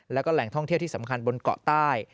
แล้วก็แหล่งท่องเที่ยวที่สำคัญบนเกาะใต้